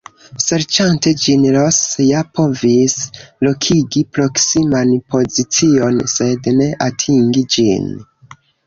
Serĉante ĝin, Ross ja povis lokigi proksiman pozicion, sed ne atingi ĝin.